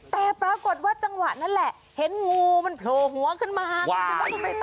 แต่ปรากฏว่าจังหวะนั้นแหละเห็นงูมันโผล่หัวขึ้นมาไง